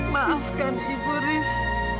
maafkan ibu ris